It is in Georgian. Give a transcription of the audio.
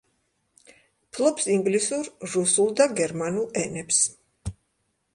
ფლობს ინგლისურ, რუსულ და გერმანულ ენებს.